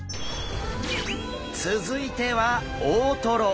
続いては大トロ。